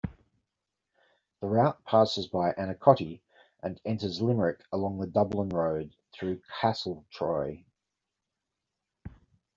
The route passes by Annacotty, and enters Limerick along the "Dublin Road" through Castletroy.